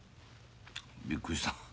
びっくりした。